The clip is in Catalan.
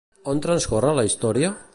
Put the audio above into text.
On transcorre la història?